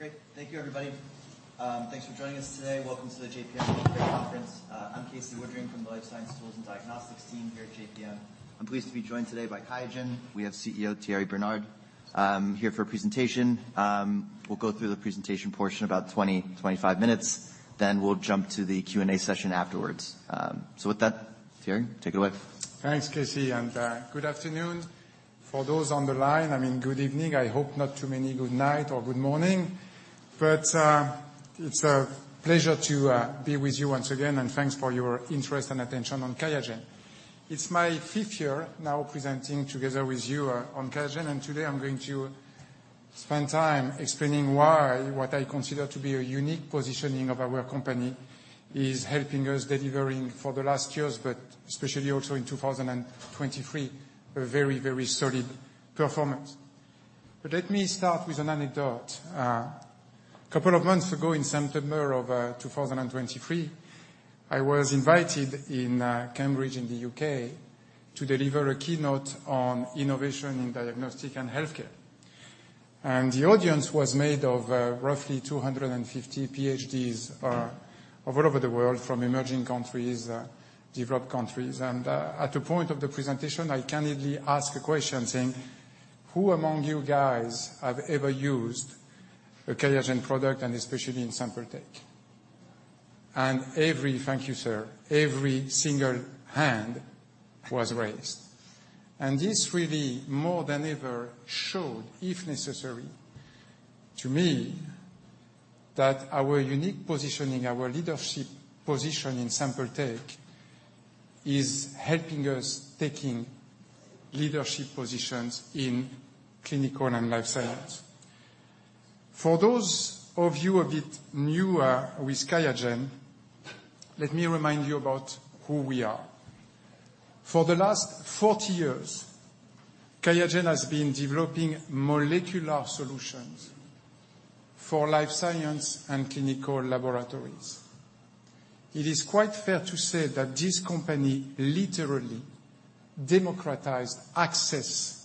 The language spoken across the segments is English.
Great. Thank you, everybody. Thanks for joining us today. Welcome to the JPM Healthcare Conference. I'm Casey Woodring from the Life Sciences Tools and Diagnostics team here at JPM. I'm pleased to be joined today by QIAGEN. We have CEO Thierry Bernard here for a presentation. We'll go through the presentation portion about 20-25 minutes, then we'll jump to the Q&A session afterwards. So with that, Thierry, take it away. Thanks, Casey, and good afternoon. For those on the line, I mean, good evening. I hope not too many good night or good morning. But it's a pleasure to be with you once again, and thanks for your interest and attention on QIAGEN. It's my fifth year now presenting together with you on QIAGEN, and today I'm going to spend time explaining why what I consider to be a unique positioning of our company is helping us delivering for the last years, but especially also in 2023, a very, very solid performance. But let me start with an anecdote. Couple of months ago, in September of 2023, I was invited in Cambridge, in the U.K., to deliver a keynote on innovation in diagnostic and healthcare. The audience was made of roughly 250 PhDs all over the world, from emerging countries, developed countries. At a point of the presentation, I candidly asked a question saying: "Who among you guys have ever used a QIAGEN product, and especially in sample tech?" And every... Thank you, sir. Every single hand was raised. And this really, more than ever, showed, if necessary, to me, that our unique positioning, our leadership position in sample tech, is helping us taking leadership positions in clinical and life science. For those of you a bit newer with QIAGEN, let me remind you about who we are. For the last 40 years, QIAGEN has been developing molecular solutions for life science and clinical laboratories. It is quite fair to say that this company literally democratized access to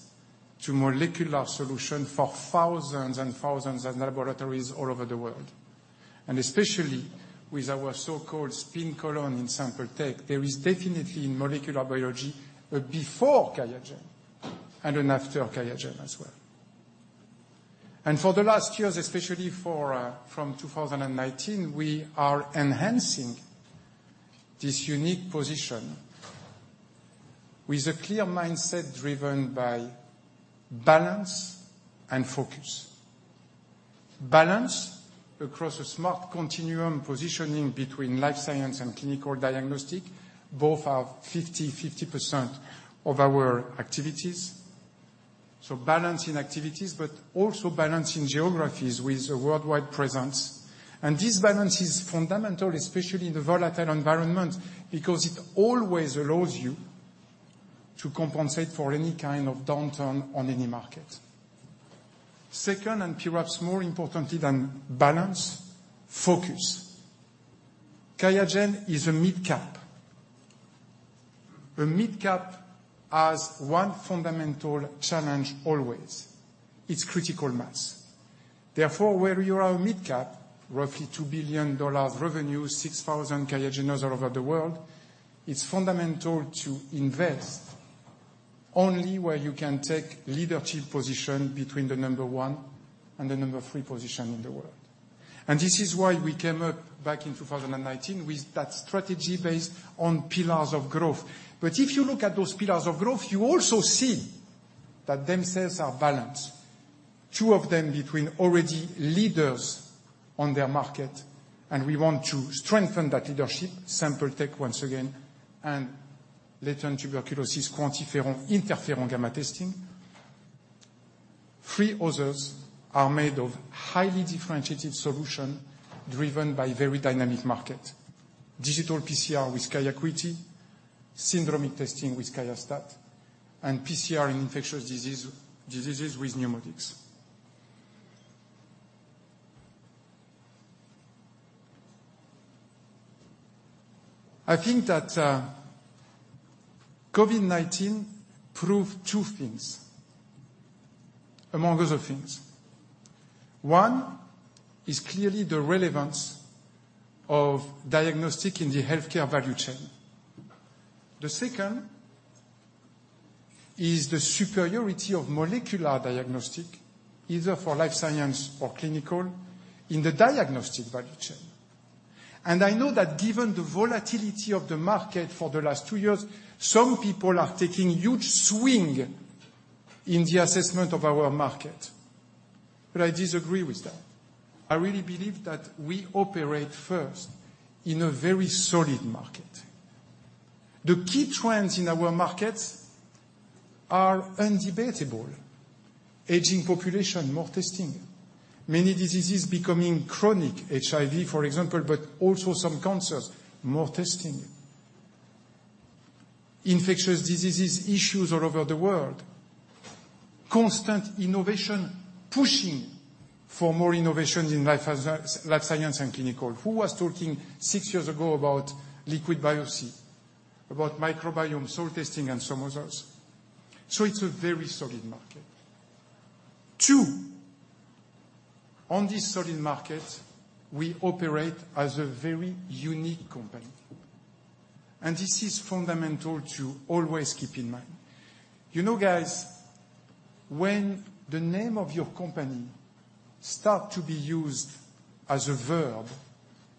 molecular solution for thousands and thousands of laboratories all over the world, and especially with our so-called spin column in Sample Tech. There is definitely in molecular biology, a before QIAGEN and an after QIAGEN as well. For the last years, especially for, from 2019, we are enhancing this unique position with a clear mindset, driven by balance and focus. Balance across a smart continuum, positioning between life science and clinical diagnostic. Both are 50/50% of our activities. So balance in activities, but also balance in geographies with a worldwide presence. And this balance is fundamental, especially in the volatile environment, because it always allows you to compensate for any kind of downturn on any market. Second, and perhaps more importantly than balance, focus. QIAGEN is a midcap. A midcap has one fundamental challenge always, it's critical mass. Therefore, where you are a midcap, roughly $2 billion revenue, 6,000 QIAGENers all over the world, it's fundamental to invest only where you can take leadership position between the number one and the number three position in the world. And this is why we came up, back in 2019, with that strategy based on pillars of growth. But if you look at those pillars of growth, you also see that themselves are balanced. Two of them between already leaders on their market, and we want to strengthen that leadership. Sample Tech, once again, and latent tuberculosis QuantiFERON interferon-gamma testing. Three others are made of highly differentiated solution, driven by very dynamic market. Digital PCR with QIAcuity, syndromic testing with QIAstat, and PCR in infectious disease, diseases with NeuMoDx. I think that, COVID-19 proved two things, among other things. One, is clearly the relevance of diagnostics in the healthcare value chain. The second, is the superiority of molecular diagnostics, either for life science or clinical, in the diagnostics value chain. And I know that given the volatility of the market for the last two years, some people are taking huge swings in the assessment of our market, but I disagree with that. I really believe that we operate first in a very solid market. The key trends in our markets are undebatable. Aging population, more testing. Many diseases becoming chronic, HIV, for example, but also some cancers, more testing. Infectious diseases issues all over the world. Constant innovation, pushing for more innovations in life science and clinical. Who was talking six years ago about liquid biopsy?... about microbiome, soil testing, and some others. It's a very solid market. Two, on this solid market, we operate as a very unique company, and this is fundamental to always keep in mind. You know, guys, when the name of your company start to be used as a verb,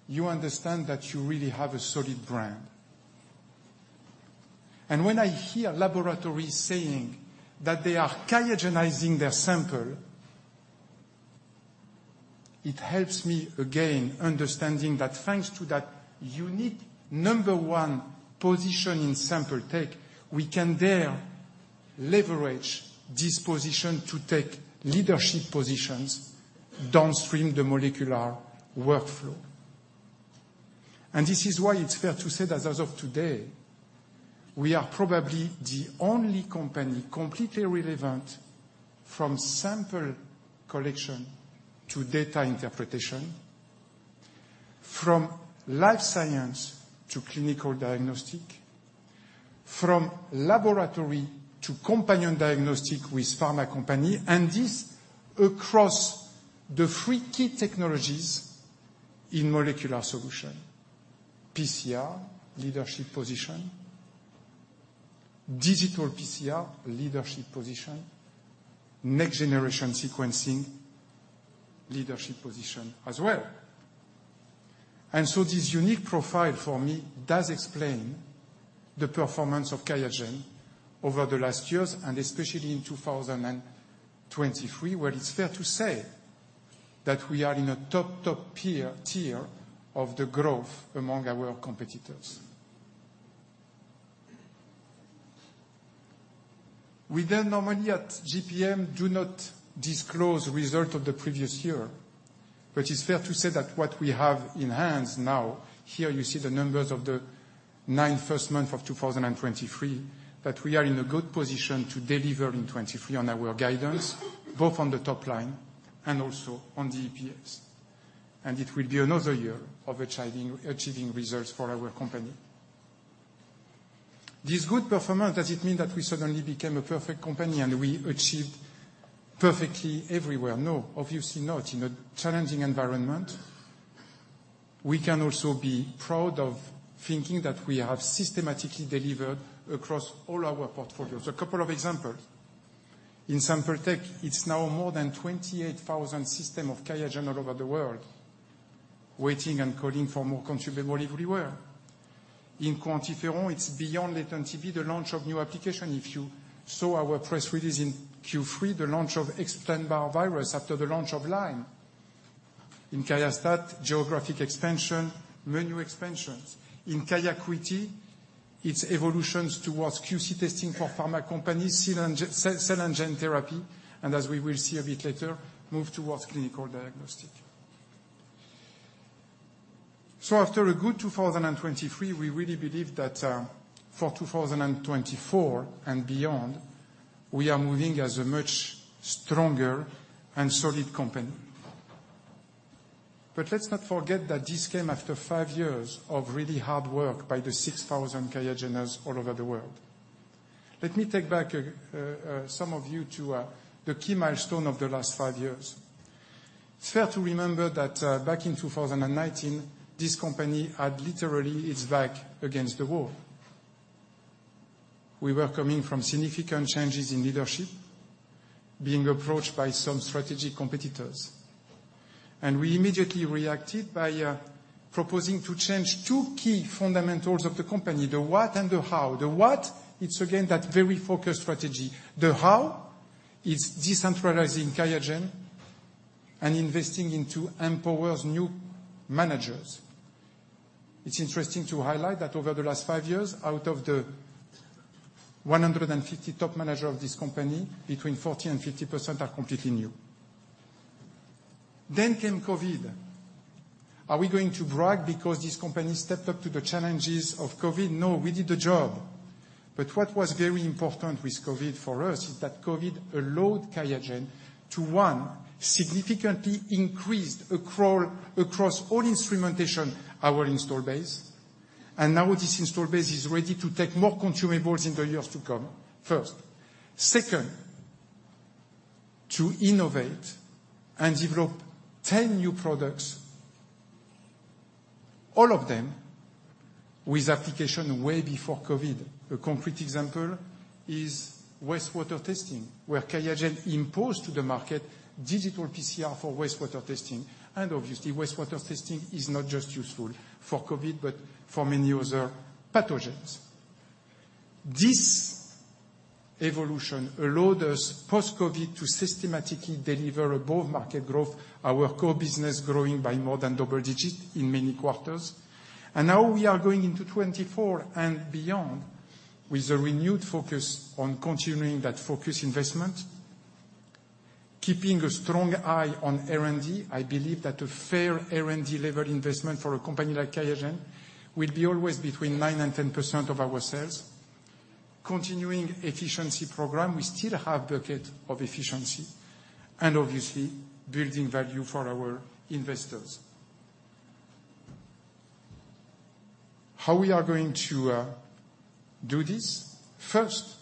you understand that you really have a solid brand. And when I hear laboratories saying that they are QIAGEN-izing their sample, it helps me, again, understanding that thanks to that unique Number one position in Sample Tech, we can then leverage this position to take leadership positions downstream the molecular workflow. This is why it's fair to say that as of today, we are probably the only company completely relevant from sample collection to data interpretation, from life science to clinical diagnostic, from laboratory to companion diagnostic with pharma company, and this across the three key technologies in molecular solution: PCR, leadership position; digital PCR, leadership position; next generation sequencing, leadership position as well. So this unique profile, for me, does explain the performance of QIAGEN over the last years, and especially in 2023, where it's fair to say that we are in a top, top peer tier of the growth among our competitors. We then normally at JP Morgan, do not disclose results of the previous year, but it's fair to say that what we have in hand now, here you see the numbers of the first nine months of 2023, that we are in a good position to deliver in 2023 on our guidance, both on the top line and also on the EPS. It will be another year of achieving, achieving results for our company. This good performance, does it mean that we suddenly became a perfect company, and we achieved perfectly everywhere? No, obviously not. In a challenging environment, we can also be proud of thinking that we have systematically delivered across all our portfolios. A couple of examples. In Sample Tech, it's now more than 28,000 systems of QIAGEN all over the world, waiting and calling for more consumables everywhere. In QuantiFERON, it's beyond latent TB, the launch of new application. If you saw our press release in Q3, the launch of Epstein-Barr virus after the launch of Lyme. In QIAstat, geographic expansion, menu expansions. In QIAcuity, its evolutions towards QC testing for pharma companies, cell and gene therapy, and as we will see a bit later, move towards clinical diagnostic. So after a good 2023, we really believe that, for 2024 and beyond, we are moving as a much stronger and solid company. But let's not forget that this came after five years of really hard work by the 6,000 QIAGENers all over the world. Let me take some of you back to the key milestone of the last five years. It's fair to remember that, back in 2019, this company had literally its back against the wall. We were coming from significant changes in leadership, being approached by some strategic competitors, and we immediately reacted by, proposing to change two key fundamentals of the company, the what and the how. The what, it's again, that very focused strategy. The how is decentralizing QIAGEN and investing into empowers new managers. It's interesting to highlight that over the last five years, out of the 150 top manager of this company, between 40% and 50% are completely new. Then came COVID. Are we going to brag because this company stepped up to the challenges of COVID? No, we did the job. But what was very important with COVID for us is that COVID allowed QIAGEN to, one, significantly increased across, across all instrumentation, our install base. And now this install base is ready to take more consumables in the years to come, first. Second, to innovate and develop 10 new products, all of them with application way before COVID. A concrete example is wastewater testing, where QIAGEN imposed to the market digital PCR for wastewater testing. And obviously, wastewater testing is not just useful for COVID, but for many other pathogens. This evolution allowed us, post-COVID, to systematically deliver above-market growth, our core business growing by more than double digits in many quarters. And now we are going into 2024 and beyond with a renewed focus on continuing that focus investment, keeping a strong eye on R&D. I believe that a fair R&D level investment for a company like QIAGEN will be always between 9%-10% of our sales. Continuing efficiency program, we still have bucket of efficiency and obviously building value for our investors. How we are going to do this? First,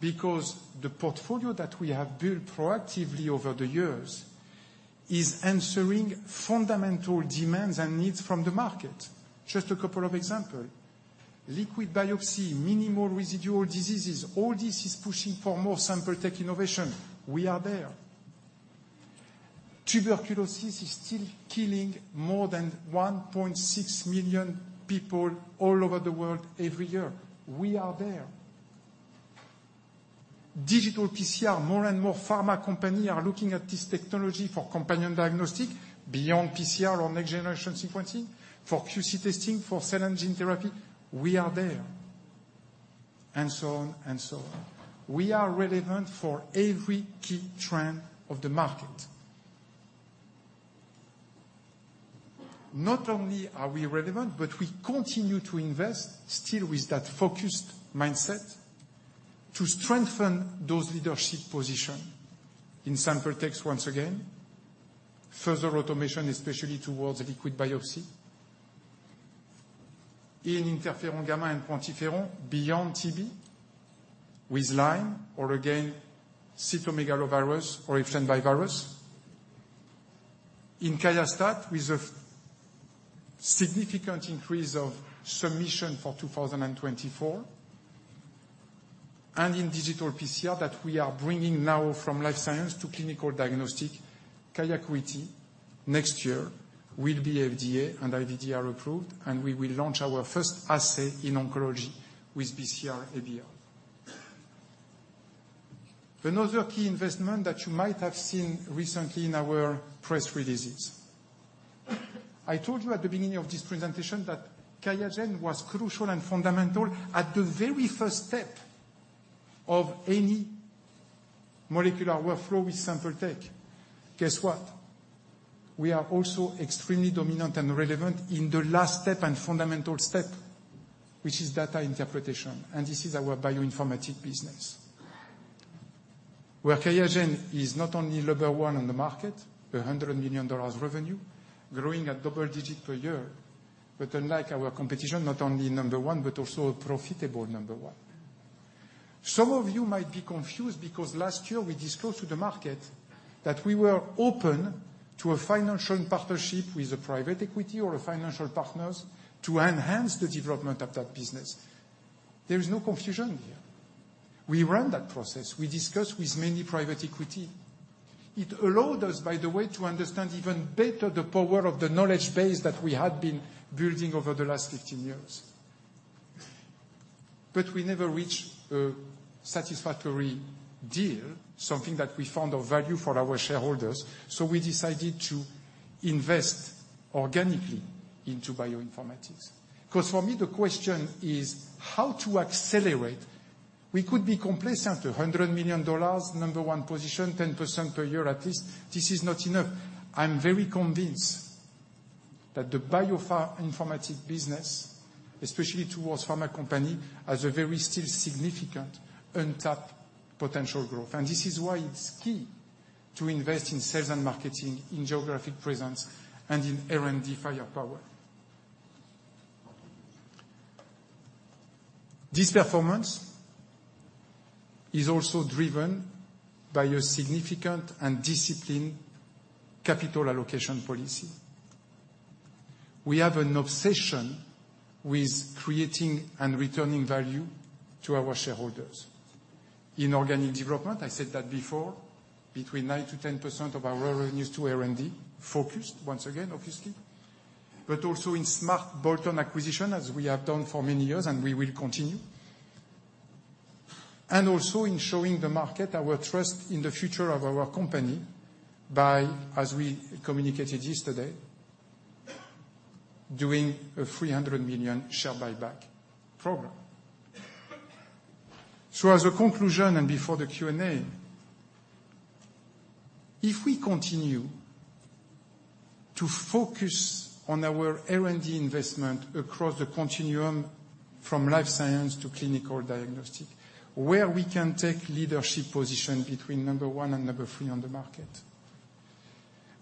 because the portfolio that we have built proactively over the years is answering fundamental demands and needs from the market. Just a couple of example, liquid biopsy, minimal residual diseases, all this is pushing for more Sample Tech innovation. We are there. Tuberculosis is still killing more than 1.6 million people all over the world every year. We are there. Digital PCR, more and more pharma company are looking at this technology for companion diagnostic, beyond PCR or next-generation sequencing, for QC testing, for cell and gene therapy, we are there, and so on, and so on. We are relevant for every key trend of the market. Not only are we relevant, but we continue to invest still with that focused mindset to strengthen those leadership position. In Sample Tech, once again, further automation, especially towards liquid biopsy. In interferon-gamma and QuantiFERON, beyond TB, with Lyme, or again, cytomegalovirus, or Epstein-Barr virus. In QIAstat, with a significant increase of submission for 2024. And in digital PCR, that we are bringing now from life science to clinical diagnostic. QIAcuity, next year, will be FDA and IVD approved, and we will launch our first assay in oncology with BCR-ABL. Another key investment that you might have seen recently in our press releases. I told you at the beginning of this presentation that QIAGEN was crucial and fundamental at the very first step of any molecular workflow with Sample Tech. Guess what? We are also extremely dominant and relevant in the last step and fundamental step, which is data interpretation, and this is our bioinformatics business. Where QIAGEN is not only number one on the market, $100 million revenue, growing at double-digit per year, but unlike our competition, not only number one, but also a profitable number one. Some of you might be confused because last year we disclosed to the market that we were open to a financial partnership with a private equity or financial partners to enhance the development of that business. There is no confusion here. We ran that process. We discussed with many private equity. It allowed us, by the way, to understand even better the power of the knowledge base that we had been building over the last 15 years. But we never reached a satisfactory deal, something that we found of value for our shareholders, so we decided to invest organically into bioinformatics. Because for me, the question is how to accelerate? We could be complacent, $100 million, number one position, 10% per year at least. This is not enough. I'm very convinced that the biopharma informatics business, especially towards pharma company, has a very substantial untapped potential growth. And this is why it's key to invest in sales and marketing, in geographic presence, and in R&D firepower. This performance is also driven by a significant and disciplined capital allocation policy. We have an obsession with creating and returning value to our shareholders. In organic development, I said that before, between 9%-10% of our revenues to R&D, focused once again, obviously, but also in smart bolt-on acquisition, as we have done for many years, and we will continue. And also in showing the market our trust in the future of our company by, as we communicated yesterday, doing a $300 million share buyback program. So as a conclusion, and before the Q&A, if we continue to focus on our R&D investment across the continuum from life science to clinical diagnostic, where we can take leadership position between number one and number three on the market,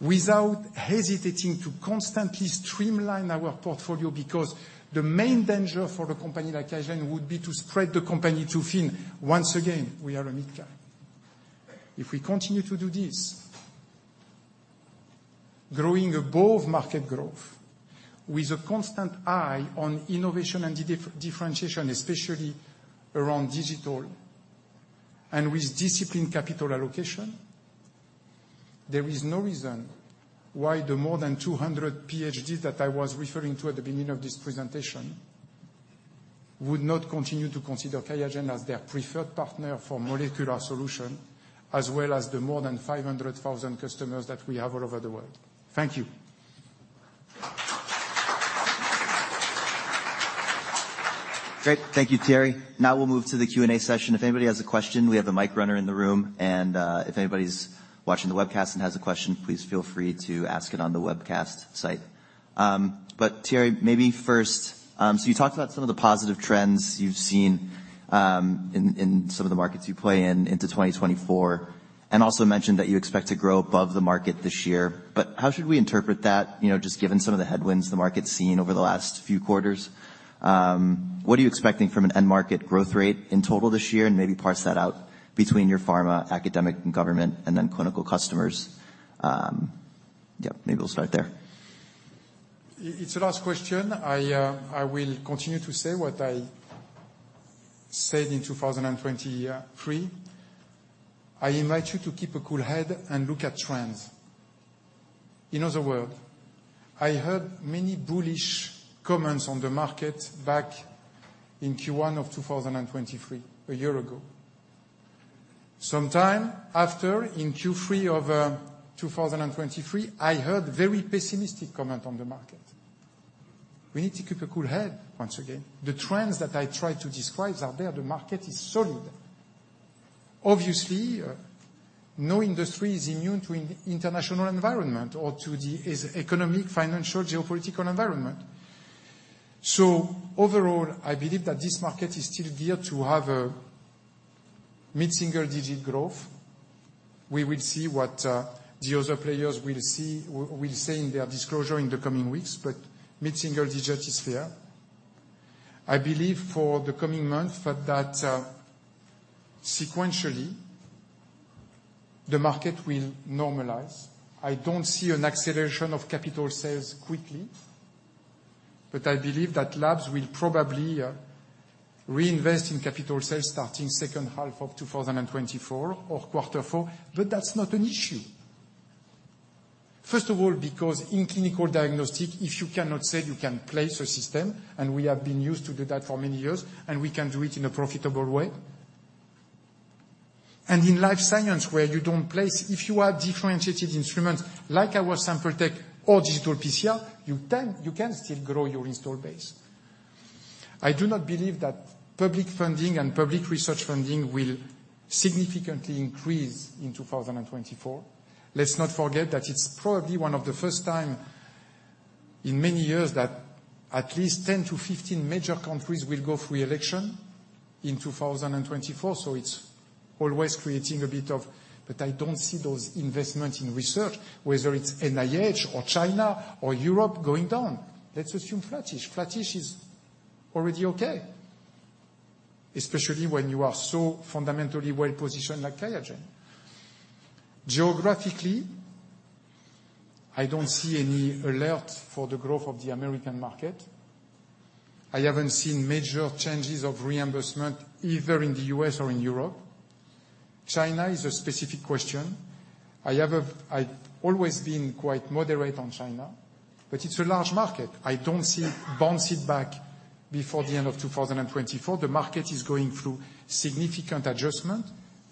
without hesitating to constantly streamline our portfolio, because the main danger for a company like QIAGEN would be to spread the company too thin. Once again, we are a mid-cap. If we continue to do this, growing above market growth, with a constant eye on innovation and differentiation, especially around digital and with disciplined capital allocation, there is no reason why the more than 200 PhDs that I was referring to at the beginning of this presentation would not continue to consider QIAGEN as their preferred partner for molecular solution, as well as the more than 500,000 customers that we have all over the world. Thank you. Great. Thank you, Thierry. Now we'll move to the Q&A session. If anybody has a question, we have a mic runner in the room, and if anybody's watching the webcast and has a question, please feel free to ask it on the webcast site. But Thierry, maybe first, so you talked about some of the positive trends you've seen in some of the markets you play in into 2024, and also mentioned that you expect to grow above the market this year. But how should we interpret that, you know, just given some of the headwinds the market's seen over the last few quarters? What are you expecting from an end market growth rate in total this year, and maybe parse that out between your pharma, academic, and government, and then clinical customers? Yep, maybe we'll start there. It's a large question. I will continue to say what I said in 2023. I invite you to keep a cool head and look at trends. In other words, I heard many bullish comments on the market back in Q1 of 2023, a year ago. Sometime after, in Q3 of 2023, I heard very pessimistic comment on the market. We need to keep a cool head, once again. The trends that I tried to describe are there. The market is solid. Obviously, no industry is immune to international environment or to the economic, financial, geopolitical environment. So overall, I believe that this market is still there to have a mid-single-digit growth. We will see what the other players will say in their disclosure in the coming weeks, but mid-single digit is fair. I believe for the coming month that sequentially, the market will normalize. I don't see an acceleration of capital sales quickly, but I believe that labs will probably reinvest in capital sales starting second half of 2024 or quarter four. But that's not an issue. First of all, because in clinical diagnostic, if you cannot say you can place a system, and we have been used to do that for many years, and we can do it in a profitable way. And in life science, where you don't place, if you have differentiated instruments like our Sample Tech or digital PCR, you can still grow your install base. I do not believe that public funding and public research funding will significantly increase in 2024. Let's not forget that it's probably one of the first time in many years that at least 10-15 major countries will go through elections in 2024, so it's always creating a bit of... But I don't see those investments in research, whether it's NIH, or China, or Europe, going down. Let's assume flattish. Flattish is already okay, especially when you are so fundamentally well-positioned like QIAGEN. Geographically, I don't see any alert for the growth of the American market. I haven't seen major changes of reimbursement, either in the U.S. or in Europe. China is a specific question. I have a-- I've always been quite moderate on China, but it's a large market. I don't see bounces back before the end of 2024. The market is going through significant adjustment,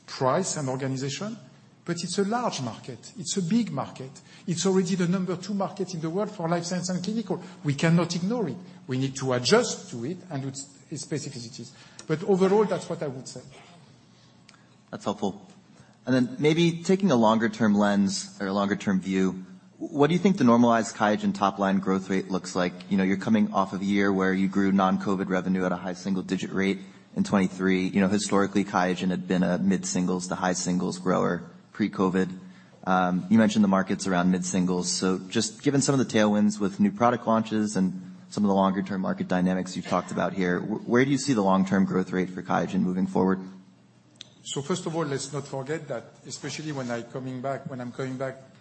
price, and organization, but it's a large market. It's a big market. It's already the number two market in the world for life science and clinical. We cannot ignore it. We need to adjust to it and its specificities. But overall, that's what I would say. That's helpful. Then maybe taking a longer-term lens or a longer-term view, what do you think the normalized QIAGEN top-line growth rate looks like? You know, you're coming off of a year where you grew non-COVID revenue at a high single-digit rate in 2023. You know, historically, QIAGEN had been a mid-singles to high singles grower pre-COVID. You mentioned the market's around mid-singles, so just given some of the tailwinds with new product launches and some of the longer-term market dynamics you've talked about here, where do you see the long-term growth rate for QIAGEN moving forward? So first of all, let's not forget that, especially when I'm coming back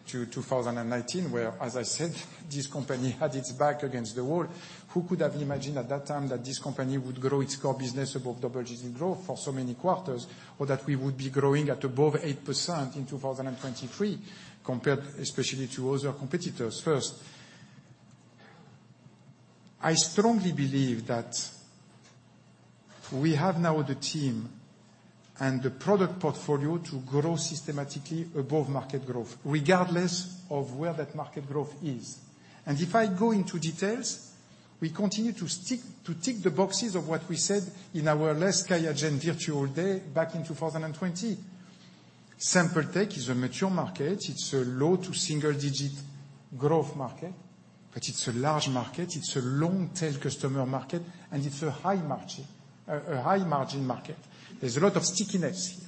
to 2019, where, as I said, this company had its back against the wall. Who could have imagined at that time that this company would grow its core business above double-digit growth for so many quarters, or that we would be growing at above 8% in 2023, compared especially to other competitors first? I strongly believe that we have now the team and the product portfolio to grow systematically above market growth, regardless of where that market growth is. And if I go into details, we continue to tick the boxes of what we said in our last QIAGEN Virtual Day back in 2020. Sample Tech is a mature market. It's a low to single-digit growth market, but it's a large market, it's a long-tail customer market, and it's a high margin, a high-margin market. There's a lot of stickiness here.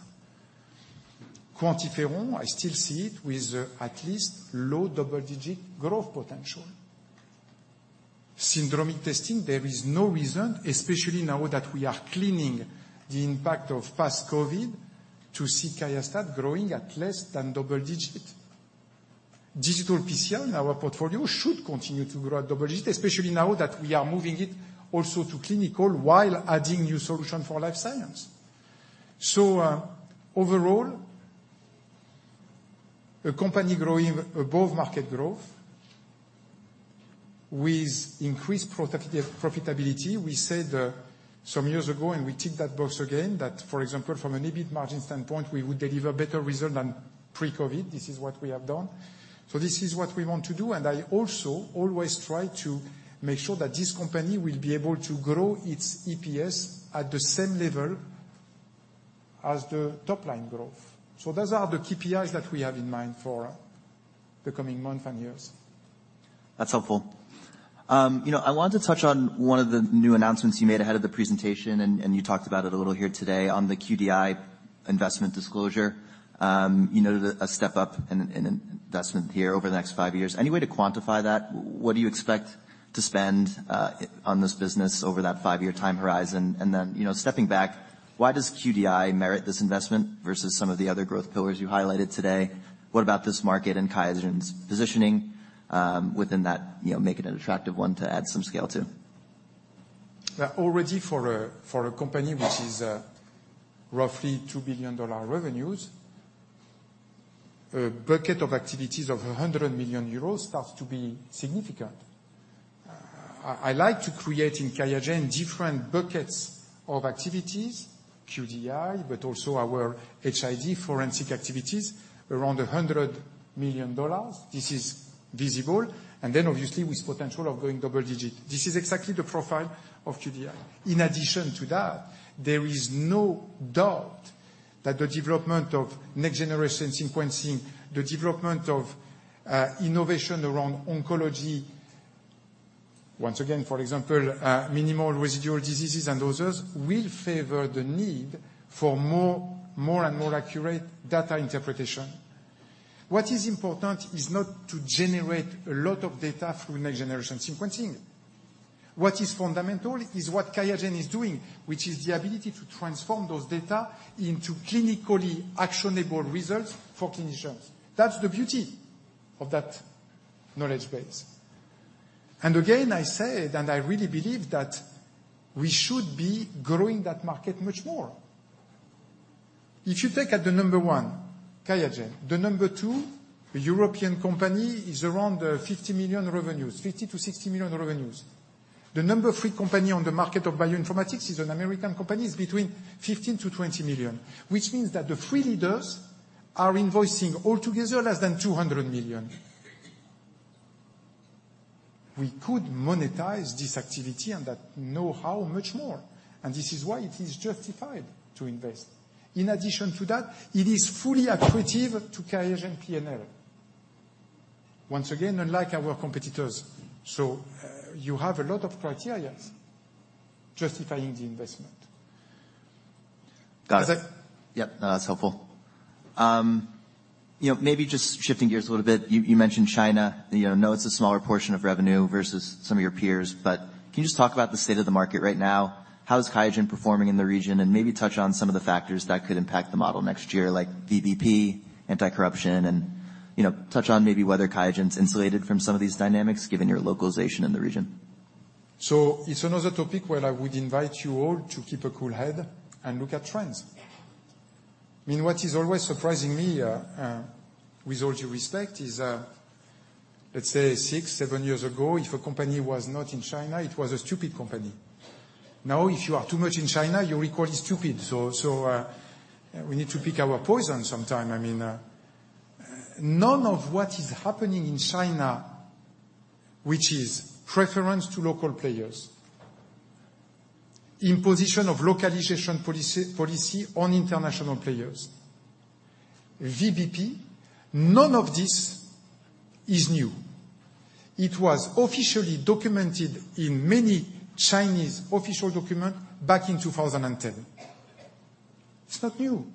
QuantiFERON, I still see it with at least low double-digit growth potential. Syndromic testing, there is no reason, especially now that we are cleaning the impact of past COVID, to see QIAstat growing at less than double digit. Digital PCR in our portfolio should continue to grow at double digit, especially now that we are moving it also to clinical while adding new solution for life science. So, overall, a company growing above market growth with increased profitability. We said, some years ago, and we tick that box again, that, for example, from an EBIT margin standpoint, we would deliver better result than pre-COVID. This is what we have done. So this is what we want to do, and I also always try to make sure that this company will be able to grow its EPS at the same level as the top line growth. So those are the KPIs that we have in mind for the coming months and years. That's helpful. You know, I wanted to touch on one of the new announcements you made ahead of the presentation, and, and you talked about it a little here today on the QDI investment disclosure. You know, a step up in, in investment here over the next five years. Any way to quantify that? What do you expect to spend, on this business over that five-year time horizon? And then, you know, stepping back, why does QDI merit this investment versus some of the other growth pillars you highlighted today? What about this market and QIAGEN's positioning, within that, you know, make it an attractive one to add some scale to? Already for a company which is roughly $2 billion revenues, a bucket of activities of 100 million euros starts to be significant. I like to create in QIAGEN different buckets of activities, QDI, but also our HID forensic activities, around $100 million. This is visible, and then obviously, with potential of going double-digit. This is exactly the profile of QDI. In addition to that, there is no doubt that the development of next-generation sequencing, the development of innovation around oncology, once again, for example, minimal residual disease and others, will favor the need for more and more accurate data interpretation. What is important is not to generate a lot of data through next-generation sequencing. What is fundamental is what QIAGEN is doing, which is the ability to transform those data into clinically actionable results for clinicians. That's the beauty of that knowledge base. And again, I say, and I really believe, that we should be growing that market much more. If you take at the number one, QIAGEN, the number two, the European company, is around, $50 million revenues, $50 million-$60 million revenues. The number three company on the market of bioinformatics is an American company, is between $15 million-$20 million, which means that the three leaders are invoicing all together, less than $200 million. We could monetize this activity and that know-how much more, and this is why it is justified to invest. In addition to that, it is fully accretive to QIAGEN P&L. Once again, unlike our competitors. So, you have a lot of criteria justifying the investment. Got it. Does that- Yep, no, that's helpful. You know, maybe just shifting gears a little bit. You mentioned China. You know, I know it's a smaller portion of revenue versus some of your peers, but can you just talk about the state of the market right now? How is QIAGEN performing in the region, and maybe touch on some of the factors that could impact the model next year, like VBP, anti-corruption, and, you know, touch on maybe whether QIAGEN's insulated from some of these dynamics, given your localization in the region? So it's another topic where I would invite you all to keep a cool head and look at trends. I mean, what is always surprising me, with all due respect, is, let's say six, seven years ago, if a company was not in China, it was a stupid company. Now, if you are too much in China, you are equally stupid. So, so, we need to pick our poison sometime. I mean, none of what is happening in China, which is preference to local players, imposition of localization policy on international players, VBP, none of this is new. It was officially documented in many Chinese official document back in 2010. It's not new.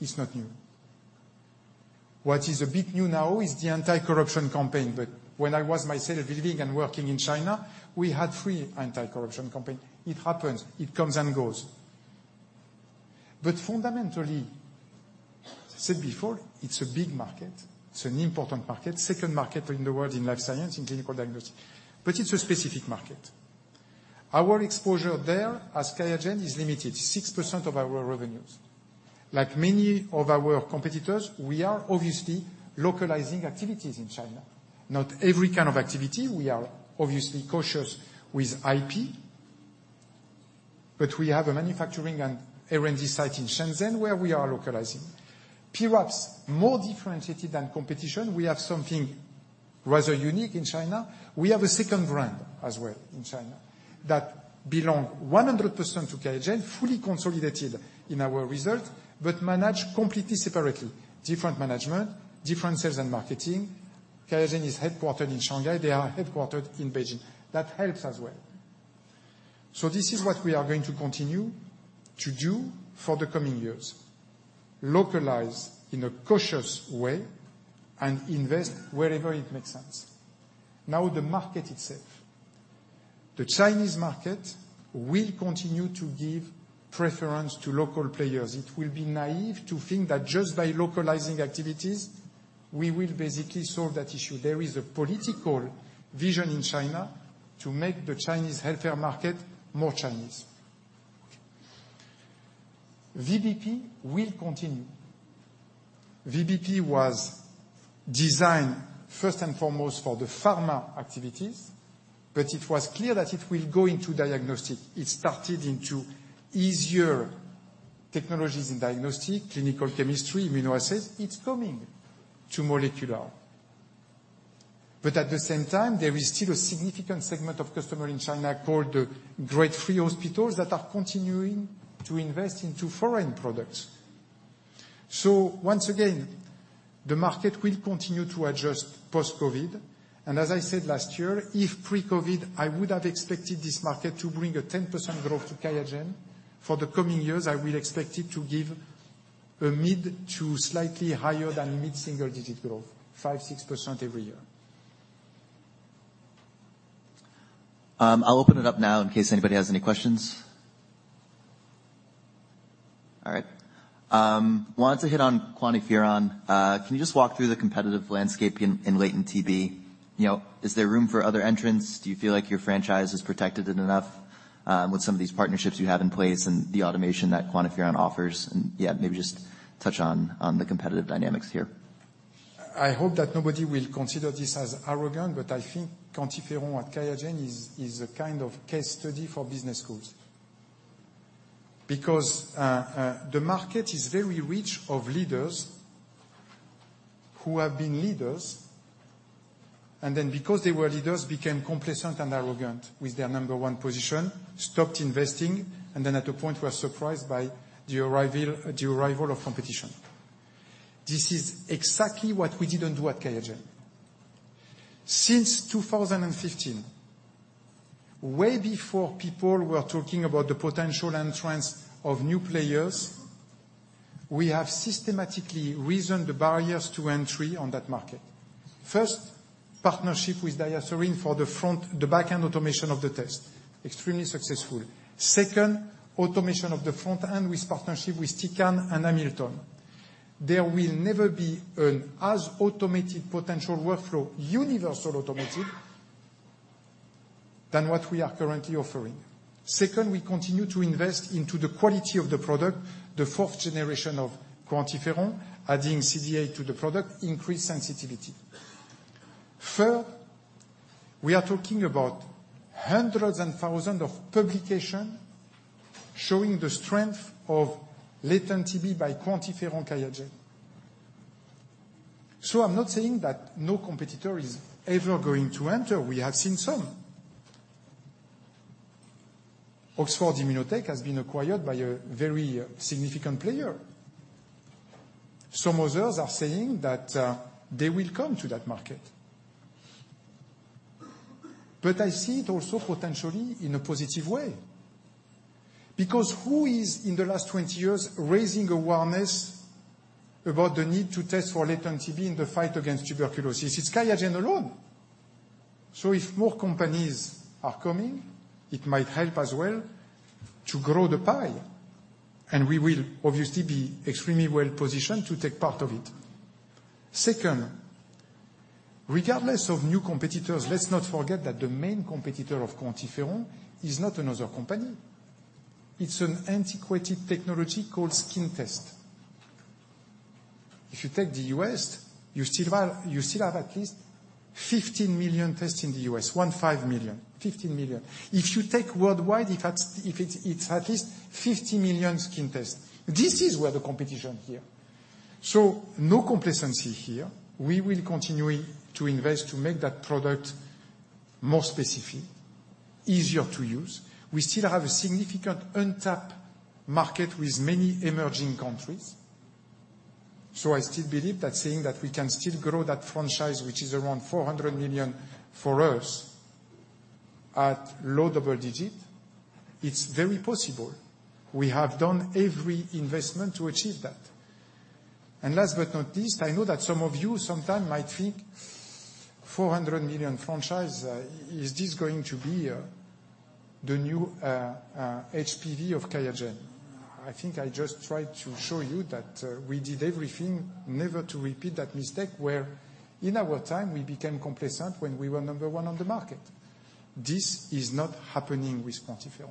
It's not new. What is a bit new now is the anti-corruption campaign, but when I was myself living and working in China, we had three anti-corruption campaign. It happens, it comes and goes. But fundamentally, I said before, it's a big market. It's an important market, second market in the world in life science and clinical diagnosis, but it's a specific market. Our exposure there as QIAGEN is limited, 6% of our revenues. Like many of our competitors, we are obviously localizing activities in China, not every kind of activity. We are obviously cautious with IP, but we have a manufacturing and R&D site in Shenzhen, where we are localizing. Perhaps more differentiated than competition, we have something rather unique in China. We have a second brand as well in China, that belong 100% to QIAGEN, fully consolidated in our result, but managed completely separately. Different management, different sales and marketing. QIAGEN is headquartered in Shanghai. They are headquartered in Beijing. That helps as well. So this is what we are going to continue to do for the coming years, localize in a cautious way and invest wherever it makes sense. Now, the market itself, the Chinese market, will continue to give preference to local players. It will be naive to think that just by localizing activities, we will basically solve that issue. There is a political vision in China to make the Chinese healthcare market more Chinese. VBP will continue. VBP was designed first and foremost for the pharma activities, but it was clear that it will go into diagnostic. It started into easier technologies in diagnostic, clinical chemistry, immunoassays. It's coming to molecular.... But at the same time, there is still a significant segment of customer in China, called the Grade three hospitals, that are continuing to invest into foreign products. So once again, the market will continue to adjust post-COVID. As I said last year, if pre-COVID, I would have expected this market to bring a 10% growth to QIAGEN. For the coming years, I will expect it to give a mid- to slightly higher than mid-single-digit growth, 5%-6% every year. I'll open it up now in case anybody has any questions. All right. Wanted to hit on QuantiFERON. Can you just walk through the competitive landscape in Latent TB? You know, is there room for other entrants? Do you feel like your franchise is protected enough, with some of these partnerships you have in place and the automation that QuantiFERON offers? Yeah, maybe just touch on the competitive dynamics here. I hope that nobody will consider this as arrogant, but I think QuantiFERON at QIAGEN is a kind of case study for business schools. Because the market is very rich of leaders who have been leaders, and then because they were leaders, became complacent and arrogant with their number one position, stopped investing, and then at a point, were surprised by the arrival of competition. This is exactly what we didn't do at QIAGEN. Since 2015, way before people were talking about the potential entrance of new players, we have systematically reasoned the barriers to entry on that market. First, partnership with DiaSorin for the back-end automation of the test, extremely successful. Second, automation of the front end with partnership with Tecan and Hamilton. There will never be an as automated potential workflow, universal automated, than what we are currently offering. Second, we continue to invest into the quality of the product, the fourth generation of QuantiFERON, adding CD8 to the product, increase sensitivity. Third, we are talking about hundreds and thousands of publications, showing the strength of latent TB by QuantiFERON QIAGEN. So I'm not saying that no competitor is ever going to enter. We have seen some. Oxford Immunotec has been acquired by a very significant player. Some others are saying that, they will come to that market. But I see it also potentially in a positive way, because who is, in the last 20 years, raising awareness about the need to test for latent TB in the fight against tuberculosis? It's QIAGEN alone. So if more companies are coming, it might help as well to grow the pie, and we will obviously be extremely well-positioned to take part of it. Second, regardless of new competitors, let's not forget that the main competitor of QuantiFERON is not another company. It's an antiquated technology called skin test. If you take the U.S., you still have at least 15 million tests in the U.S., 15 million. If you take worldwide, it's at least 50 million skin tests. This is where the competition here. So no complacency here. We will continue to invest to make that product more specific, easier to use. We still have a significant untapped market with many emerging countries. So I still believe that saying that we can still grow that franchise, which is around $400 million for us, at low double-digit, it's very possible. We have done every investment to achieve that. And last but not least, I know that some of you sometimes might think $400 million franchise, is this going to be, the new, HPV of QIAGEN? I think I just tried to show you that, we did everything never to repeat that mistake, where in our time, we became complacent when we were number one on the market. This is not happening with QuantiFERON.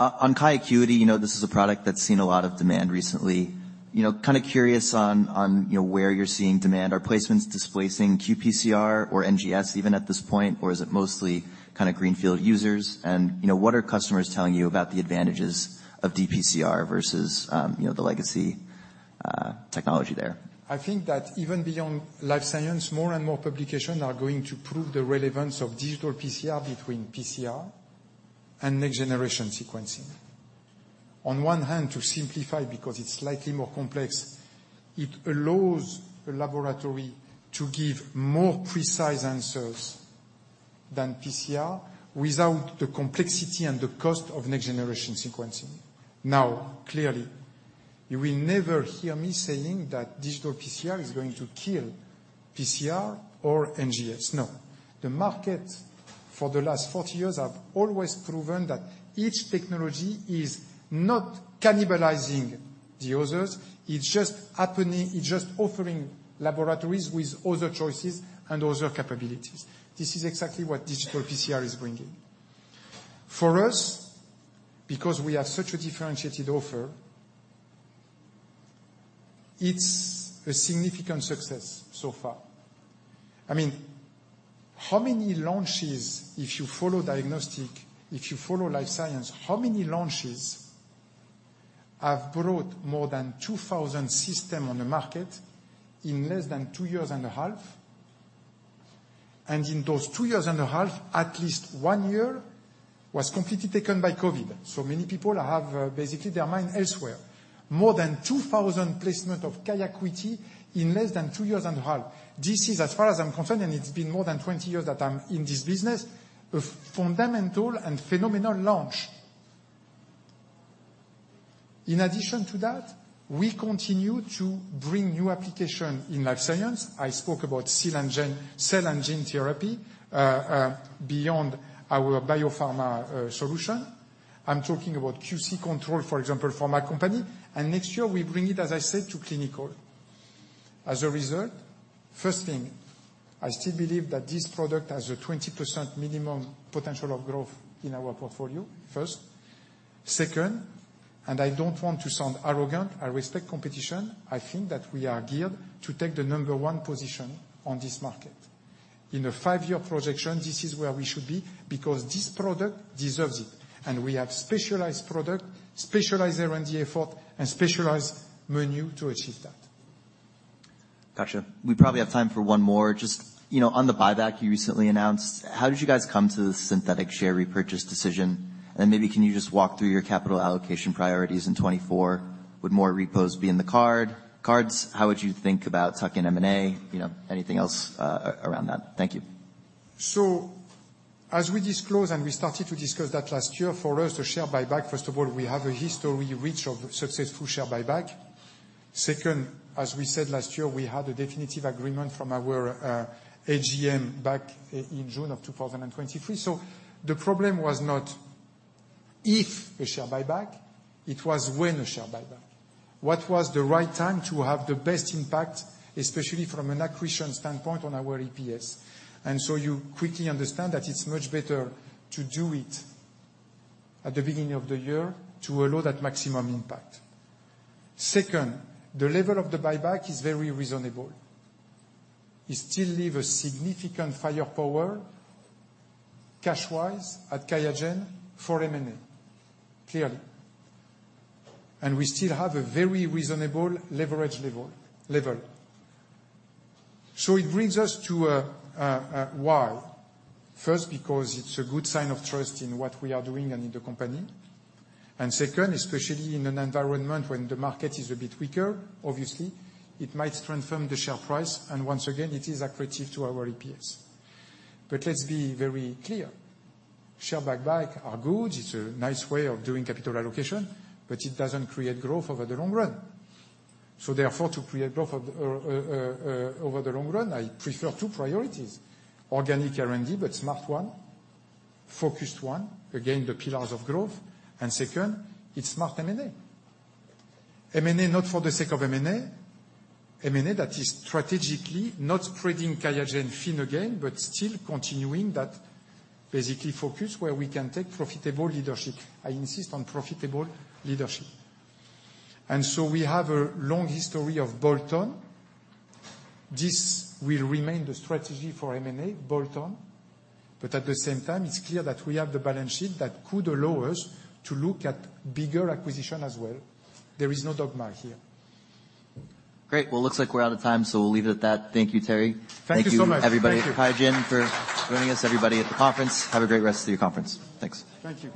On QIAcuity, you know, this is a product that's seen a lot of demand recently. You know, kind of curious on, you know, where you're seeing demand. Are placements displacing qPCR or NGS even at this point, or is it mostly kind of greenfield users? And, you know, what are customers telling you about the advantages of dPCR versus, you know, the legacy technology there? I think that even beyond life science, more and more publications are going to prove the relevance of digital PCR between PCR and next-generation sequencing. On one hand, to simplify, because it's slightly more complex, it allows a laboratory to give more precise answers than PCR without the complexity and the cost of next-generation sequencing. Now, clearly, you will never hear me saying that digital PCR is going to kill PCR or NGS. No. The market for the last 40 years have always proven that each technology is not cannibalizing the others. It's just happening, it's just offering laboratories with other choices and other capabilities. This is exactly what digital PCR is bringing. For us, because we have such a differentiated offer, it's a significant success so far. I mean, how many launches, if you follow diagnostics, if you follow life science, how many launches-... I've brought more than 2,000 systems on the market in less than two years and a half. In those two years and a half, at least one year was completely taken by COVID. So many people have basically their mind elsewhere. More than 2,000 placements of QIAGEN QIAcuity in less than two years and a half. This is, as far as I'm concerned, and it's been more than 20 years that I'm in this business, a fundamental and phenomenal launch. In addition to that, we continue to bring new applications in life science. I spoke about cell and gene, cell and gene therapy, beyond our biopharma solution. I'm talking about QC control, for example, pharma company, and next year we bring it, as I said, to clinical. As a result, first thing, I still believe that this product has a 20% minimum potential of growth in our portfolio, first. Second, and I don't want to sound arrogant, I respect competition, I think that we are geared to take the number one position on this market. In a five-year projection, this is where we should be, because this product deserves it, and we have specialized product, specialized R&D effort, and specialized menu to achieve that. Gotcha. We probably have time for one more. Just, you know, on the buyback you recently announced, how did you guys come to the synthetic share repurchase decision? And then maybe, can you just walk through your capital allocation priorities in 2024? Would more repos be in the cards? How would you think about tuck-in M&A? You know, anything else around that. Thank you. So as we disclose, and we started to discuss that last year, for us, the share buyback, first of all, we have a rich history of successful share buybacks. Second, as we said last year, we had a definitive agreement from our AGM back in June 2023. So the problem was not if a share buyback, it was when a share buyback. What was the right time to have the best impact, especially from an acquisition standpoint on our EPS? And so you quickly understand that it's much better to do it at the beginning of the year to allow that maximum impact. Second, the level of the buyback is very reasonable. It still leave a significant firepower cash-wise at QIAGEN for M&A, clearly, and we still have a very reasonable leverage level. So it brings us to why? First, because it's a good sign of trust in what we are doing and in the company. And second, especially in an environment when the market is a bit weaker, obviously, it might strengthen the share price, and once again, it is accretive to our EPS. But let's be very clear, share buyback are good. It's a nice way of doing capital allocation, but it doesn't create growth over the long run. So therefore, to create growth over the long run, I prefer two priorities: Organic R&D, but smart one, focused one, again, the pillars of growth. And second, it's smart M&A. M&A, not for the sake of M&A, M&A that is strategically not spreading QIAGEN thin again, but still continuing that basically focus where we can take profitable leadership. I insist on profitable leadership. And so we have a long history of bolt-on. This will remain the strategy for M&A, bolt-on. But at the same time, it's clear that we have the balance sheet that could allow us to look at bigger acquisition as well. There is no dogma here. Great. Well, it looks like we're out of time, so we'll leave it at that. Thank you, Thierry. Thank you so much. Thank you, everybody at QIAGEN, for joining us, everybody at the conference. Have a great rest of your conference. Thanks. Thank you.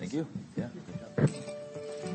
Thank you. Yeah.